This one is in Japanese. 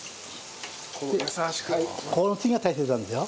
この次が大切なんですよ。